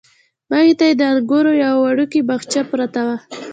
مخې ته یې د انګورو یوه وړوکې باغچه پرته وه.